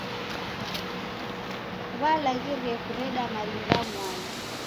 W'alaghirie kureda mali ra mwai.